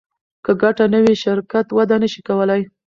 که ګټه نه وي شرکت وده نشي کولی.